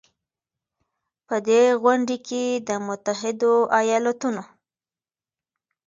په دې غونډې کې د متحدو ایالتونو